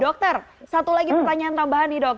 dokter satu lagi pertanyaan tambahan nih dok